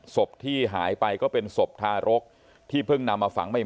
ศพที่หายไปก็เป็นศพทารกที่เพิ่งนำมาฝังใหม่